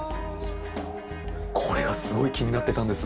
これがすごい気になってたんです。